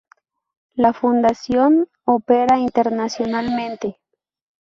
La fundación opera internacionalmente.